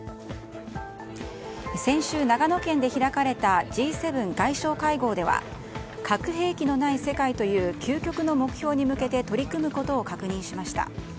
先週長野県で開かれたＧ７外相会合では核兵器のない世界という究極の目標に向けて取り組むことを確認しました。